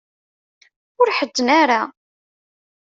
Ur ḥezzen ara.